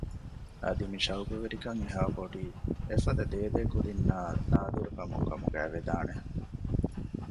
އަދި މި ޝައުޤުވެރިކަން އެހާ ބޮޑީ އެފަދަ ދޭދޭ ކުދިންގެ ނާދިރު ކަމުން ކަމުގައި ވެދާނެ